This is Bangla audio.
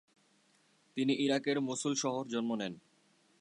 তিনি ইরাকের মসুল শহর জন্ম নেন।